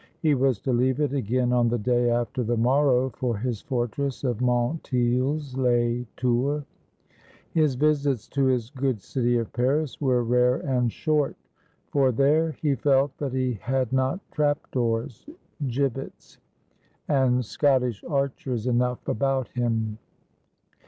He was to leave it again on the day after the morrow for his fortress of Montilz les Tours. His visits to his good city of Paris were rare and short; for there he felt that he had not trap doors, gibbets, and Scottish archers enough about him.